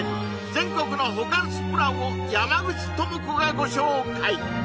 全国のホカンスプランを山口智子がご紹介